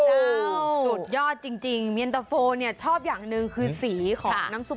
สุดยอดจริงเมียนตะโฟเนี่ยชอบอย่างหนึ่งคือสีของน้ำซุป